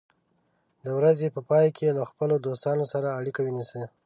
د ورځې په پای کې له خپلو دوستانو سره اړیکه ونیسه.